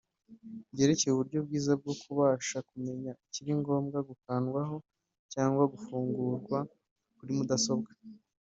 byerekeye uburyo bwiza bwo kubasha kumenya ikiri ngombwa gukandwaho cyangwa gufungurwa kuri mudasobwa